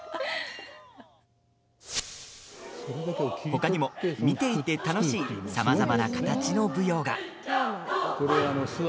他にも、見ていて楽しいさまざまな形の舞踊が。